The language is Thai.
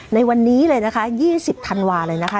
ในวันนี้เลยนะคะ๒๐ธันวาเลยนะคะ